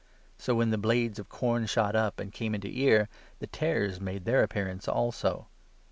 So, when the blades of corn shot up, and came 26 into ear, the tares made their appearance also.